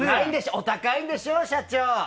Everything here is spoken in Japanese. お高いんでしょう社長！